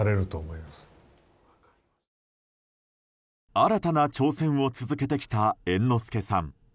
新たな挑戦を続けてきた猿之助さん。